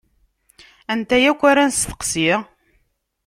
Anta akk ara nesteqsi?